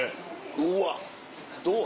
うわどう？